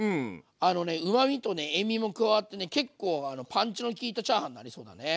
あのねうまみと塩みも加わってね結構パンチの効いたチャーハンになりそうだね。